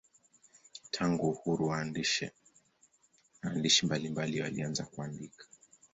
Tangu uhuru waandishi mbalimbali walianza kuandika.